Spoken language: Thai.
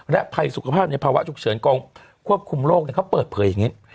ภัยสุขภาพในภาวะฉุกเฉินกองควบคุมโรคเขาเปิดเผยอย่างนี้